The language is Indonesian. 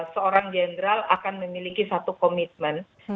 seorang jenderal akan memiliki satu komitmen